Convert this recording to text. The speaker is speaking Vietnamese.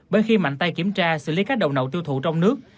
bởi khi mạnh tay kiểm tra xử lý các đậu nậu tiêu thụ trong nước